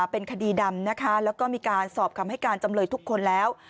เป็นคดีดำนะคะแล้วก็มีการสอบคำให้การจำเลยทุกคนแล้ว